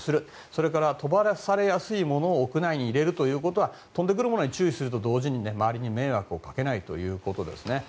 それから、飛ばされやすいものを屋内に入れるということは飛んでくるものに注意するのと同時に周りに迷惑をかけないことですね。